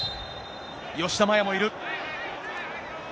吉田麻也もいる。